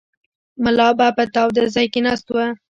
ملا به په تاوده ځای ناست و.